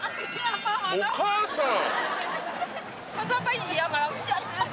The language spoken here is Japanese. お母さん！